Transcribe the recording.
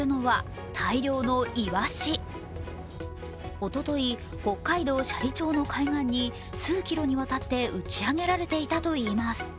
おととい、北海道斜里町の海岸に数キロにわたって打ち上げられていたといいます。